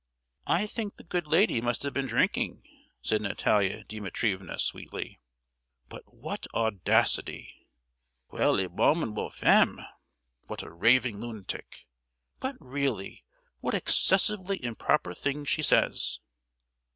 "I think the good lady must have been drinking!" said Natalia Dimitrievna, sweetly. "But what audacity!" "Quelle abominable femme!" "What a raving lunatic!" "But really, what excessively improper things she says!"